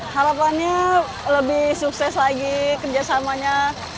harapannya lebih sukses lagi kerjasamanya